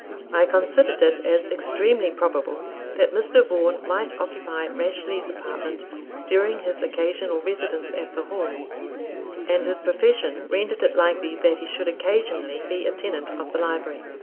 I considered it as extremely probable that Mr. Vaughan might occupy Rashleigh's apartment during his occasional residence at the Hall; and his profession rendered it likely that he should occasionally be a tenant of the library.